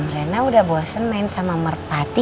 rena udah bosen main sama merpati